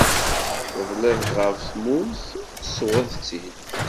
Tedliḍ-d ɣef tmurt, tessweḍ-tt-id.